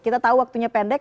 kita tahu waktunya pendek